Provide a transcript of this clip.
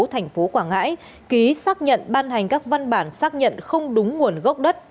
tp quảng ngãi ký xác nhận ban hành các văn bản xác nhận không đúng nguồn gốc đất